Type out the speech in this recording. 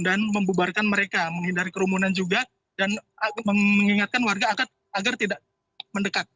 dan membubarkan mereka menghindari kerumunan juga dan mengingatkan warga agar tidak mendekat